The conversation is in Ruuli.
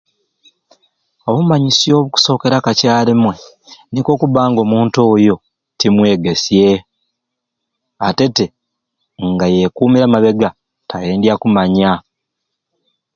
Obumanyisyo obukusokera kakyarumwei niko okuba nga omuntu oyo timwegesye ate te nga yekumira mabega tayendya kumanya